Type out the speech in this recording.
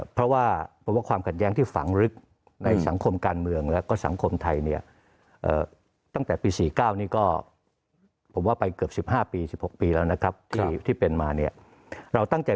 เพราะว่าผมว่าความขัดแย้งที่ฝังลึกในสังคมการเมืองแล้วก็สังคมไทยเนี่ยตั้งแต่ปี๔๙นี่ก็ผมว่าไปเกือบ๑๕ปี๑๖ปีแล้วนะครับที่เป็นมาเนี่ยเราตั้งใจ